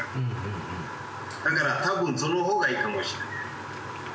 だから多分そのほうがいいかもしれない。